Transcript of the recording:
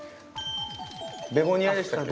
ベゴニアでしたっけ？